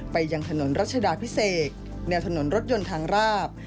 ไปยังถนนรัชดาพิเศษแนวถนนรถยนต์ทางราบ